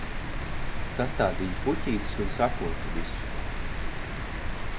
Sastādīju puķītes un sakopu visu.